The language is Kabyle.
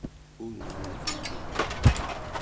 Ur walaɣ yiwen.